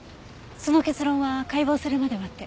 その結論は解剖するまで待って。